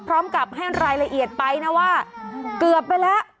พร้อมกับให้รายละเอียดไปนะว่าเกือบไปแล้ว